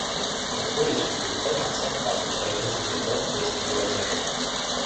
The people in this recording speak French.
Control est suivi de près par Central, malgré ses efforts pour esquiver leurs agents.